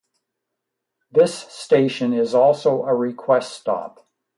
This station is also a request stop.